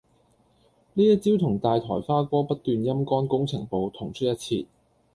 呢一招同大台花哥不斷陰乾工程部同出一轍